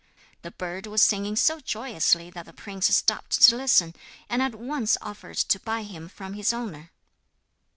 The bird was singing so joyously that the prince stopped to listen, and at once offered to buy him from his owner.